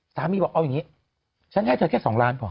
สามีบอกเอาอย่างนี้ฉันให้เธอแค่๒ล้านพอ